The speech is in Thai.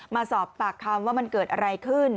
มาสอบปากคำว่ามันเกิดอะไรขึ้น